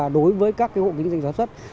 đối với các hộ kinh doanh sản xuất